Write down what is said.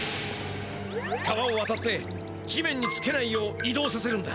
川をわたって地面につけないよういどうさせるんだ。